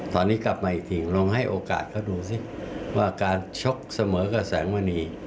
ตอนนี้กลับมาอีกทีลองให้โอกาสเขาดูสิว่าการชกเสมอกับแสงมณี